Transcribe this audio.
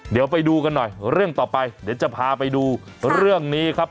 เดี๋ยวไปดูกันหน่อยเรื่องต่อไปเดี๋ยวจะพาไปดูเรื่องนี้ครับ